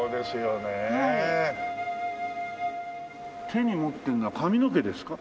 手に持ってるのは髪の毛ですか？